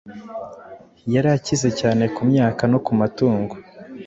Yari akize cyane ku myaka no ku matungo